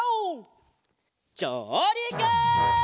じょうりく！